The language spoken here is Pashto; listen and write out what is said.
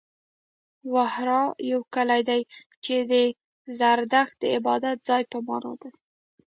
وهاره يو کلی دی، چې د زرتښت د عبادت ځای په معنا دی.